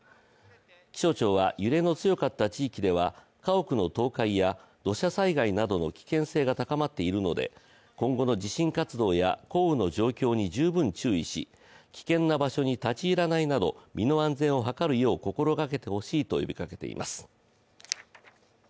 気象庁は揺れの強かった地域では家屋の倒壊や土砂災害などの危険性が高まっているので今後の地震活動や降雨の状況に十分注意し、危険な場所に立ち入らないなど身の安全を図るよう心掛けてほしいと呼びかけています。